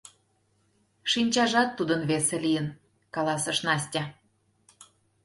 — Шинчажат тудын весе лийын, — каласыш Настя.